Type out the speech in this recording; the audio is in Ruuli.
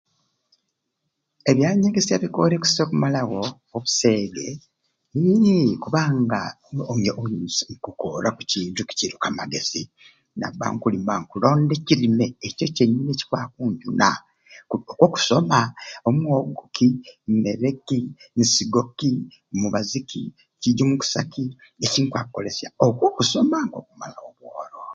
Ebyanyegesya bikore kusai okumalawo obuseege hhmmm kubanga oyega kukoora ku kintu ekiruku amagezi ninaba nkulima nkulonda ekirime ekyo kyenyini nikikwakunjuna okwo kusoma, omwoogo ki, meere ki, nsigo ki, mubazi ki, kijumusaki ekinkwakolesya, okwo kusoma okukumalawo obworo.